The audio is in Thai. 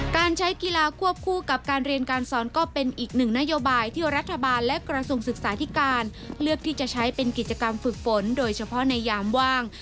การใช้กีฬาควบคู่กับการเรียนการสอนก็เป็นอีกหนึ่งนโยบายที่รัฐบาลและกระทรวงศึกษาธิการเลือกที่จะใช้เป็นกิจกรรมฝึกฝนโดยเฉพาะในยามว่าง